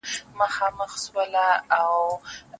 نور به له منګیو سره پېغلي لنډۍ وچي وي